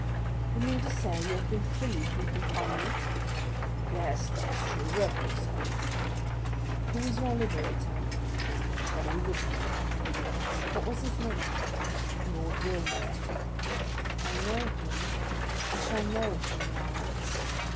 "You mean to say you have been freed from confinement?" "Yes, that is true, reverend sir." "Who was your liberator?" "An Englishman." "What was his name?" "Lord Wilmore." "I know him; I shall know if you lie."